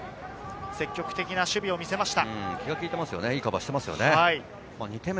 積極的な守備を見せました。